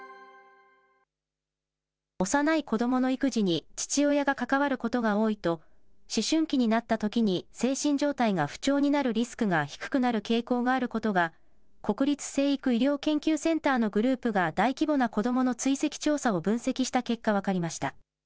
幼い子どもの育児に父親が関わることが多いと、思春期になったときに精神状態が不調になるリスクが低くなる傾向があることが、国立成育医療研究センターのグループが大規模な子どもの追跡調査を分析した結果、分かりました。